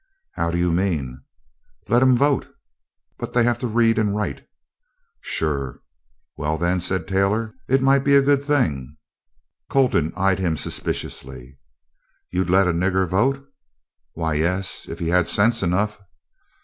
"How do you mean?" "Let 'em vote." "But they'd have to read and write." "Sure!" "Well, then," said Taylor, "it might be a good thing." Colton eyed him suspiciously. "You'd let a nigger vote?" "Why, yes, if he had sense enough."